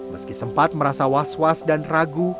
meski sempat merasa was was dan ragu